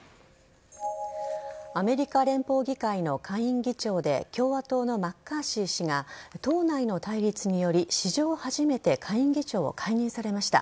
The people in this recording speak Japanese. アメリカ連邦議会の下院議長で共和党のマッカーシー氏が党内の対立により、史上初めて下院議長を解任されました。